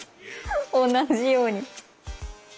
同じように。